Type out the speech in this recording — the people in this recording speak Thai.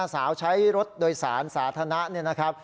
สาวใช้รถโดยศาลสาธนะ